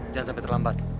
jangan sampai terlambat